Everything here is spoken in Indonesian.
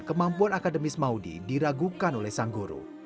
kemampuan akademis maudie diragukan oleh sang guru